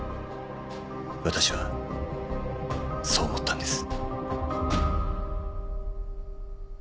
私はそう思ったんです。